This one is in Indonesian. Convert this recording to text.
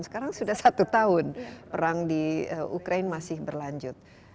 sekarang sudah satu tahun perang di ukraine masih berlanjut